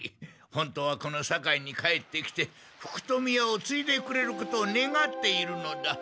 本当はこの堺に帰ってきて福富屋をついでくれることをねがっているのだ。